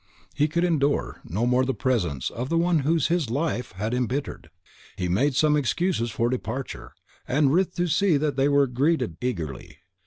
He could endure no more the presence of the one whose life HIS life had embittered. He made some excuses for departure, and writhed to see that they were greeted eagerly.